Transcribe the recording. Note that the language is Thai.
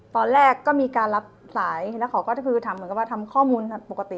ตอนแรกก็มีการรับสายแล้วเขาก็คือทำเหมือนกับว่าทำข้อมูลปกติ